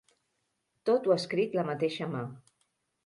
Tot ho ha escrit la mateixa mà.